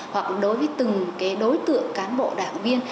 hoặc đối với từng đối tượng cán bộ đảng viên